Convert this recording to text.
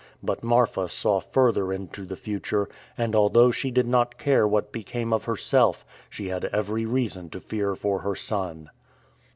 But Marfa saw further into the future: and, although she did not care what became of herself, she had every reason to fear for her son.